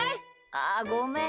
ああ、ごめん。